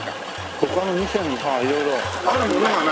他の色々あるものがない？